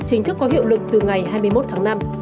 chính thức có hiệu lực từ ngày hai mươi một tháng năm